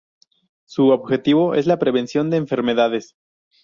Su objetivo es la prevención de enfermedades.